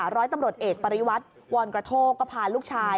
ร้อยตำรวจเอกปริวัติวรกระโทกก็พาลูกชาย